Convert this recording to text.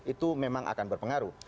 itu memang akan berpengaruh